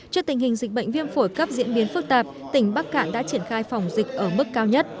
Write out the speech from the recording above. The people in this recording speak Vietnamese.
trước tình hình dịch bệnh viêm phổi cấp diễn biến phức tạp tỉnh bắc cạn đã triển khai phòng dịch ở mức cao nhất